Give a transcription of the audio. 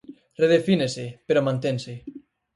Redefínese, pero mantense.